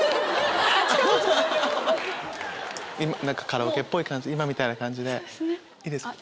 カラオケっぽい感じで今みたいな感じでいいですか？